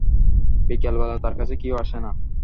বিকালবেলা তাঁর কাছে কেউ আসে না।